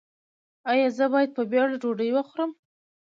ایا زه باید په بیړه ډوډۍ وخورم؟